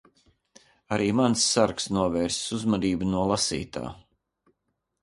Arī mans sargs novērsis uzmanību no lasītā.